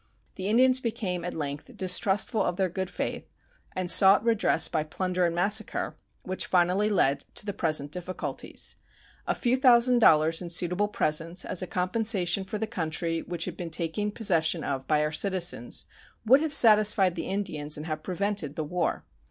The Indians became at length distrustful of their good faith and sought redress by plunder and massacre, which finally led to the present difficulties. A few thousand dollars in suitable presents, as a compensation for the country which had been taken possession of by our citizens, would have satisfied the Indians and have prevented the war.